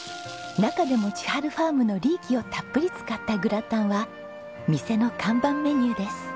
中でもちはるふぁーむのリーキをたっぷり使ったグラタンは店の看板メニューです。